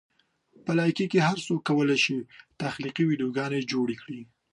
په لایکي کې هر څوک کولی شي تخلیقي ویډیوګانې جوړې کړي.